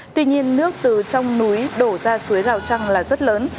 tuy nhiên nước từ trong núi đổ ra suối rào trăng là rất lớn